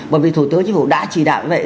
bởi vì thủ tướng chính phủ đã chỉ đạo như vậy